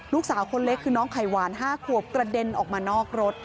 ลูกสาวคนเล็กคือน้องไข่หวาน๕ขวบกระเด็นออกมานอกรถ